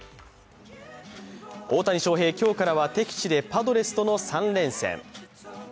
大谷翔平、今日からは敵地でパドレスとの３連戦。